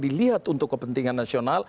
dilihat untuk kepentingan nasional